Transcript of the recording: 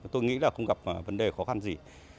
tôi nghĩ là không gặp vấn đề khó khăn gì